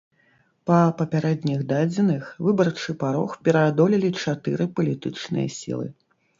Па папярэдніх дадзеных, выбарчы парог пераадолелі чатыры палітычныя сілы.